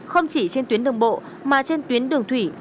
không chỉ trên tuyến đường bộ mà trên tuyến đường thủy